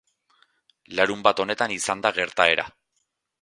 Larunbat honetan izan da gertaera.